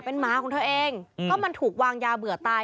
เป็นหมาของเธอเองก็มันถูกวางยาเบื่อตาย